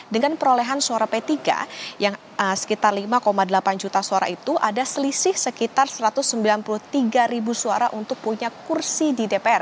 dengan perolehan suara p tiga yang sekitar lima delapan juta suara itu ada selisih sekitar satu ratus sembilan puluh tiga ribu suara untuk punya kursi di dpr